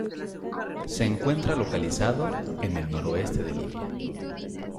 Se encuentra localizado en el noroeste de Libia.